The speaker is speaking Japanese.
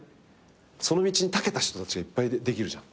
その道にたけた人たちがいっぱいできるじゃん。